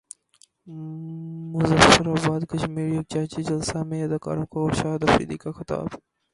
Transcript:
مظفراباد کشمیر یکجہتی جلسہ میں اداکاروں اور شاہد افریدی کا خطاب